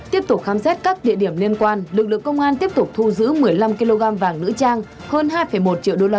tiếp tục khám xét các địa điểm liên quan lực lượng công an tiếp tục thu giữ một mươi năm kg vàng nữ trang hơn hai một triệu usd